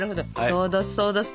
そうどすそうどす。